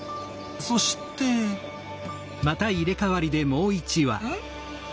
そしてうん？